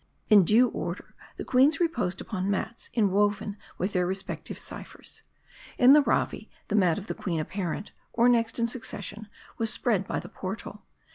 In due order, the queens reposed upon mats inwoven with their respective ciphers. In the Ravi, the mat of 4he queen apparent, or next in succession, was spread by the portal.